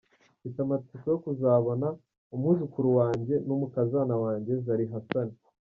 Mfite amatsiko yo kuzabona umwuzukuru wanjye n’umukazana wanjye Zari Hassan.